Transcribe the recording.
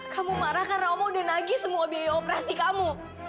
kamu marah karena kamu udah nagih semua biaya operasi kamu